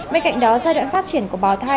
bên cạnh đó giai đoạn phát triển của bảo thai